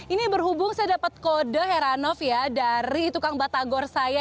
ini berhubung saya dapat kode heranov ya dari tukang batagor saya